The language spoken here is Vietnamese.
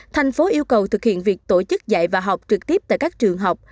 thành phố yêu cầu thực hiện việc tổ chức dạy và học trực tiếp tại các trường học